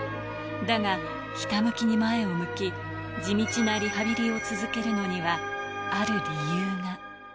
だが、ひたむきに前を向き、地道なリハビリを続けるのには、ある理由が。